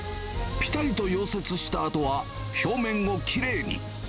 ぴたりと溶接したあとは、表面をきれいに。